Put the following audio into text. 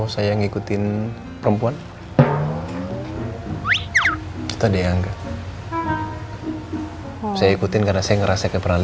soalnya seperti blacky